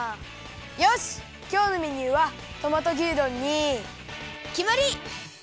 よしきょうのメニューはトマト牛丼にきまり！